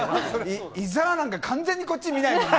伊沢なんか完全にこっち見ないもん。